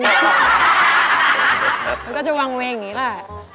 มันก็จะวางเวงอย่างนี้แหละ